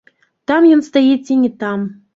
Там ён стаіць ці не там.